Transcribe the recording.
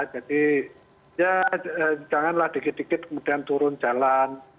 jadi janganlah dikit dikit kemudian turun jalan